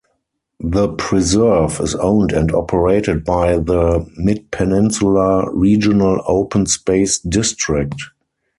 The preserve is owned and operated by the Midpeninsula Regional Open Space District.